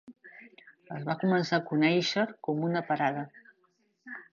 Es va començar a conèixer com una parada.